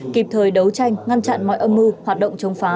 kịp thời đấu tranh ngăn chặn mọi âm mưu hoạt động chống phá